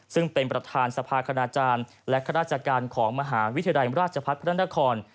ซึ่งเป็นประธานสภาคณาจารย์และข้าราชการของมหาวิทยาลัยราชพัฒน์พระนคร